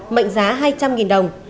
mệnh giá hai trăm linh nghìn đồng